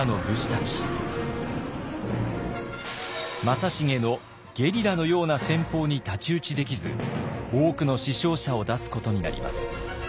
正成のゲリラのような戦法に太刀打ちできず多くの死傷者を出すことになります。